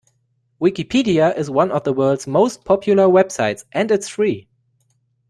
Wikipedia is one of the world's most popular websites, and it's free!